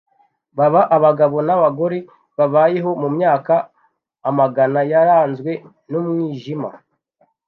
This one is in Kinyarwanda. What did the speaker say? baba abagabo n’abagore babayeho mu myaka amagana yaranzwe n’umwijima